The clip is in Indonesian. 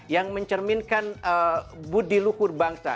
yang mencerminkan budi lukur bangsa